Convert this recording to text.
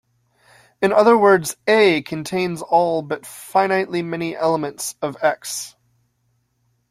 In other words, "A" contains all but finitely many elements of "X".